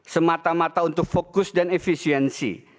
semata mata untuk fokus dan efisiensi